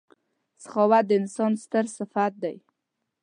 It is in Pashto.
• سخاوت د انسان ستر صفت دی.